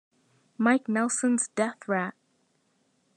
Mike Nelson's Death Rat!